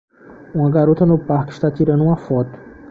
Uma garota no parque está tirando uma foto.